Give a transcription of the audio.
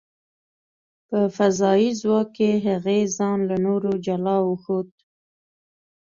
په فضايي ځواک کې، هغې ځان له نورو جلا وښود .